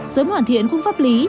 sớm hoàn thiện khung pháp lý